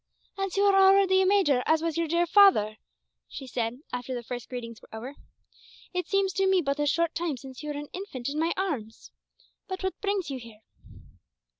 "And so you are already a major, as was your dear father!" she said, after the first greetings were over. "It seems to me but a short time since you were an infant in my arms. But what brings you here?"